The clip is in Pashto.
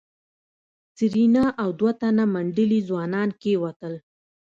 سېرېنا او دوه تنه منډلي ځوانان کېوتل.